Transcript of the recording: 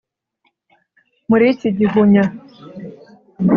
muri iki gihunya,